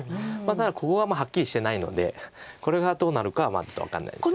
ここがはっきりしてないのでこれがどうなるかはまだちょっと分かんないです。